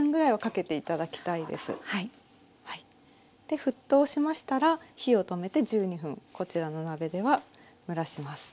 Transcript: で沸騰しましたら火を止めて１２分こちらの鍋では蒸らします。